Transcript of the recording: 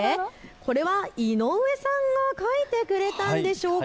これは井上さんが描いてくれたんでしょうか。